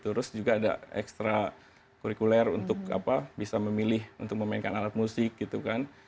terus juga ada ekstra kurikuler untuk bisa memilih untuk memainkan alat musik gitu kan